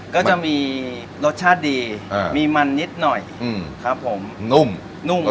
ก็จะมีรสชาติดีอ่ามีมันนิดหน่อยอืมครับผมนุ่มนุ่ม